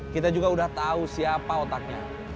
kita juga udah tahu siapa otaknya